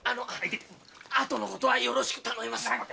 あとのことはよろしく頼みます！